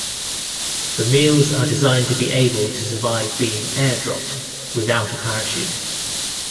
The meals are designed to be able to survive being air-dropped, without a parachute.